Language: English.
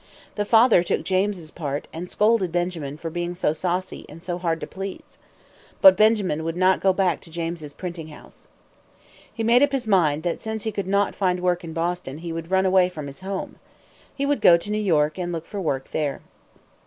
The father took James's part, and scolded Benjamin for being so saucy and so hard to please. But Benjamin would not go back to James's printing house. He made up his mind that since he could not find work in Boston he would run away from his home. He would go to New York and look for work there.